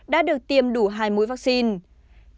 đã được tiêm đủ hai mũi vaccine